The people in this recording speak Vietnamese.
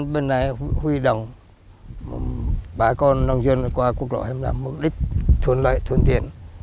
bên này cũng huy động bà con nông dân qua quốc lộ hai mươi năm mục đích thuận lợi thuận tiện